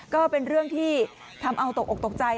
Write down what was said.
ก็เป็นเรื่องที่ทำเอาตกออกตกใจ